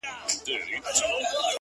زما سره هغې نجلۍ بيا د يارۍ تار وتړی;